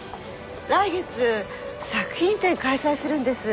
来月作品展開催するんです。